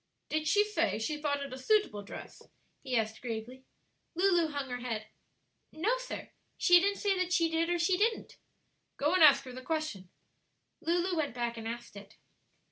"Did she say she thought it a suitable dress?" he asked gravely. Lulu hung her head. "No, sir; she didn't say that she did or she didn't." "Go and ask her the question." Lulu went back and asked it.